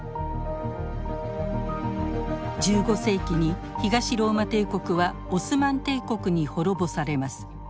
１５世紀に東ローマ帝国はオスマン帝国に滅ぼされます。